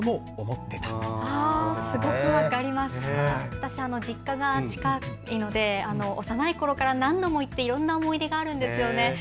私、実家が近いので幼いころから何度も行っていろんな思い出があるんです。